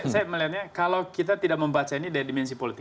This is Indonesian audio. saya melihatnya kalau kita tidak membaca ini dari dimensi politik